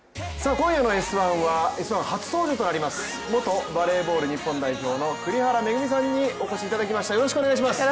今夜の「Ｓ☆１」は「Ｓ☆１」初登場となります元バレーボール日本代表の栗原恵さんにお越しいただきました。